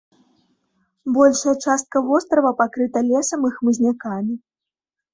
Большая частка вострава пакрыта лесам і хмызнякамі.